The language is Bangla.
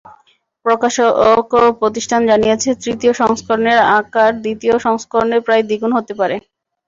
প্রকাশক প্রতিষ্ঠান জানিয়েছে, তৃতীয় সংস্করণের আকার দ্বিতীয় সংস্করণের প্রায় দ্বিগুণ হতে পারে।